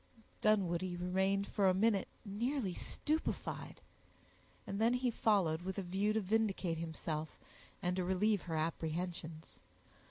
Dunwoodie remained for a minute nearly stupefied; and then he followed with a view to vindicate himself, and to relieve her apprehensions.